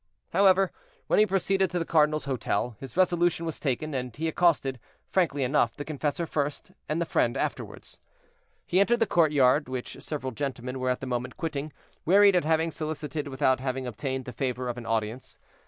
However, when he proceeded to the cardinal's hotel, his resolution was taken, and he accosted, frankly enough, the confessor first, and the friend afterward. He entered the courtyard, which several gentlemen were at that moment quitting, wearied at having solicited without having obtained the favor of an audience.